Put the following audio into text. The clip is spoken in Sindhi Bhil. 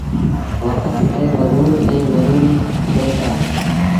وکت تي مزور کي مزوريٚ ڏئيٚتآ۔